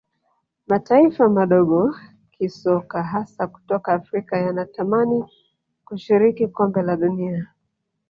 mataifa madogo kisoka hasa kutoka afrika yanatamani kushiriki kombe la dunia